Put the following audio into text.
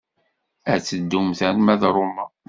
Ad teddumt arma d Roma.